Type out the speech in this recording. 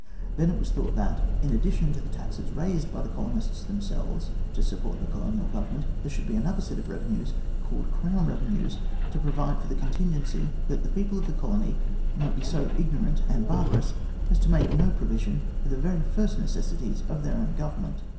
Then it was thought that, in addition to the taxes raised by the colonists themselves to support the Colonial Government, there should be another set of revenues, called Crown revenues, to provide for the contingency that the people of the colony might be so ignorant and barbarous as to make no provision for the very first necessities of their own Government.